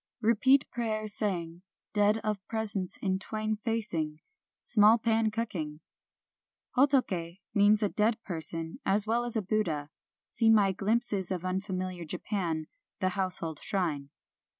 " Repeat prayers saying, dead of presence in twain facing, — small pan cooking !" Hotoke means a dead person as well as a Buddha. (See my Glimpses of Unfa miliar Japan: " The Household Shrine").